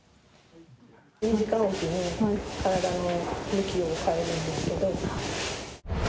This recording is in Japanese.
２時間置きに体の向きを変えるんですけど。